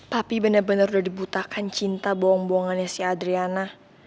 papi bener bener udah dibutakan cinta bohong bohongannya si adriana